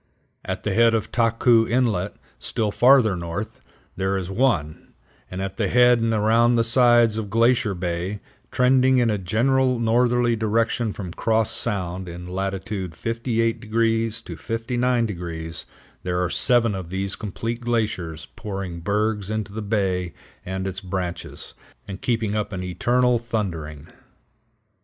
At the head of the Tahkoo Inlet, still farther north, there is one; and at the head and around the sides of Glacier Bay, trending in a general northerly direction from Cross Sound in latitude 58° to 59°, there are seven of these complete glaciers pouring bergs into the bay and its branches, and keeping up an eternal thundering.